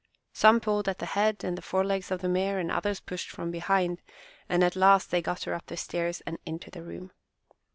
Some pulled at the head and the forelegs of the mare and others pushed from behind, and at last they got her up the stairs and into the room.